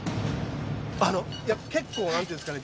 あの結構なんていうんですかね